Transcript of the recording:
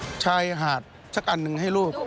ว่าจะซื้อชายหาดสักอันนึงให้ลูก